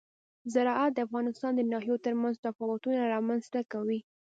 زراعت د افغانستان د ناحیو ترمنځ تفاوتونه رامنځ ته کوي.